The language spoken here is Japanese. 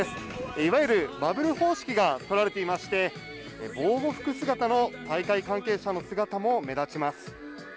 いわゆるバブル方式が取られていまして、防護服姿の大会関係者の姿も目立ちます。